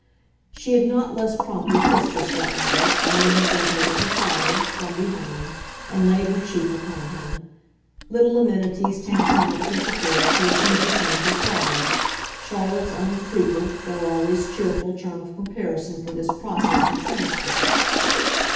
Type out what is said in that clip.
She had not less promptly kissed her stepmother, and then had bent over her father, from behind, and laid her cheek upon him; little amenities tantamount heretofore to an easy change of guard Charlotte's own frequent, though always cheerful, term of comparison for this process of transfer.